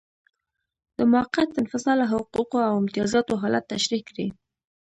د موقت انفصال او حقوقو او امتیازاتو حالت تشریح کړئ.